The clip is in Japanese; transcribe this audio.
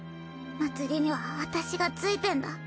まつりには私がついてんだ。